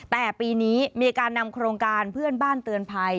แต่ปีนี้มีการนำโครงการเพื่อนบ้านเตือนภัย